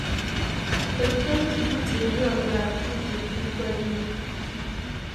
Cette chaîne diffuse des jeux interactifs de style casino.